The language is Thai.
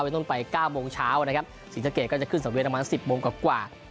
ยังต้องไป๙โมงเช้านะครับศรีสะเกตก็จะขึ้นสำเร็จประมาณ๑๐โมงกว่ากว่า